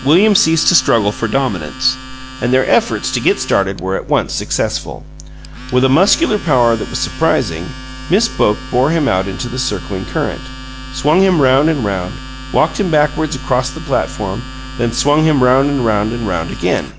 William ceased to struggle for dominance, and their efforts to "get started" were at once successful. With a muscular power that was surprising, Miss Boke bore him out into the circling current, swung him round and round, walked him backward half across the platform, then swung him round and round and round again.